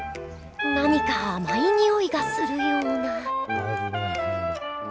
何かあまいにおいがするような。